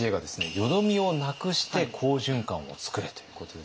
「淀みをなくして好循環をつくれ！」ということです。